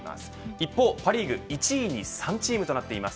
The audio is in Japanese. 一方、パ・リーグ１位に３チームとなっています。